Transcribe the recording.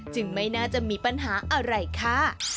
ไม่น่าจะมีปัญหาอะไรค่ะ